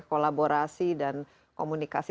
kolaborasi dan komunikasi